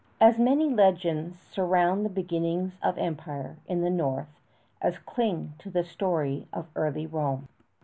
As many legends surround the beginnings of empire in the North as cling to the story of early Rome.